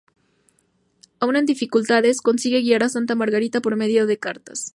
Aún en dificultades, consigue guiar a Santa Margarita por medio de cartas.